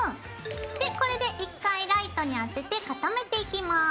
でこれで１回ライトに当てて固めていきます。